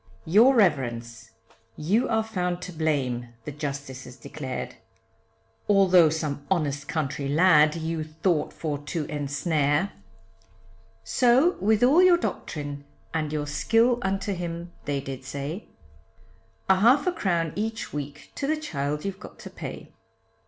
Your reverence; you are found to blame the Justices declared, Although some honest country lad you thought for to ensnare; So with all your doctrine and your skill unto him they did say, A half a crown each week to the child you've got to pay.